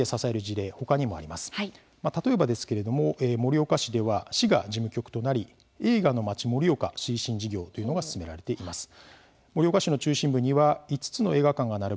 例えばですけれども盛岡市では市が事務局となり「映画の街盛岡」推進事業というのが進められています。